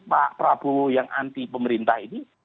pak prabowo yang anti pemerintah ini